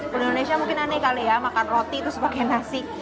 menu indonesia mungkin aneh kali ya makan roti terus pakai nasi